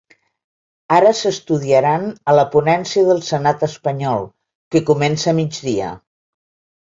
Ara s’estudiaran a la ponència del senat espanyol que comença a migdia.